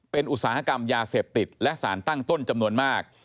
เป็นอุตสาหกรรมยาเสพติดและสารตั้งต้นจำนวนมาก